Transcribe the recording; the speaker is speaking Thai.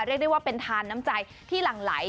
เรียกได้ว่าเป็นทานน้ำใจที่หลั่งไหล